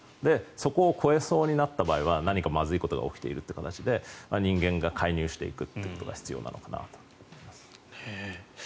そこを越えそうになった場合は何かまずいことが起きているって話で人間が介入していくことが必要かなと思います。